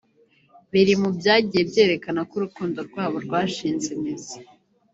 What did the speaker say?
biri mu byagiye byerekana ko urukundo rwabo rwashinze imizi